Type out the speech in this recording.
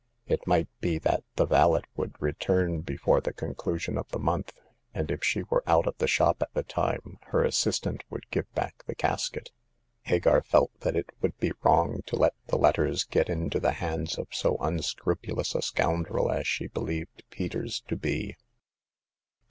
It might be that the valet would return before the conclusion of the month ; and if she were out of the shop at the time, her as sistant would give back the casket. Hagar felt that it would be wrong to let the letters get into the hands of so unscrupulous a scoundrel as she believed Peters to be.